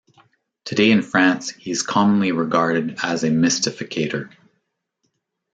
Today in France he is commonly regarded as a mystificator.